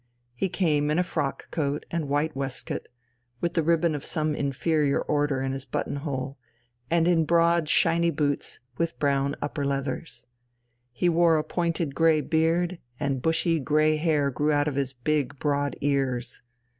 He came in a frock coat and white waistcoat, with the ribbon of some inferior order in his button hole, and in broad shiny boots with brown upper leathers. He wore a pointed grey beard, and bushy grey hair grew out of his big, broad ears.